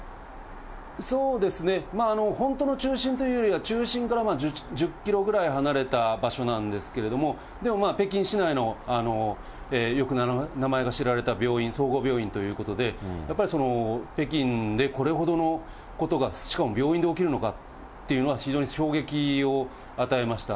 そうですね、本当の中心というよりは中心から１０キロぐらい離れた場所なんですけれども、でも北京市内のよく名前が知られた病院、総合病院ということで、やっぱり北京でこれほどのことが、しかも病院で起きるのかっていうのは、非常に衝撃を与えました。